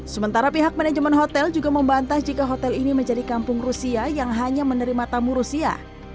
sementara pihak manajemen hotel juga membantah jika hotel ini menjadi kampung rusia yang hanya menerima tamu rusia